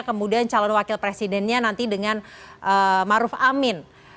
kemudian calon wakil presidennya nanti dengan maruf amin